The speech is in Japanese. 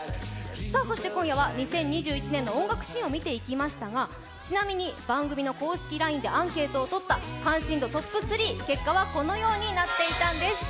そして今夜は２０２１年の音楽シーンを見ていきましたがちなみに番組の公式ＬＩＮＥでアンケートをとった関心度トップ３結果はこのようになっていたんです。